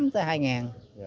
tới hai ngàn